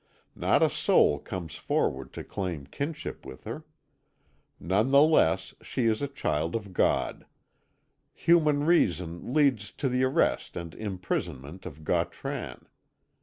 Not a soul comes forward to claim kinship with her. None the less is she a child of God. Human reason leads to the arrest and imprisonment of Gautran.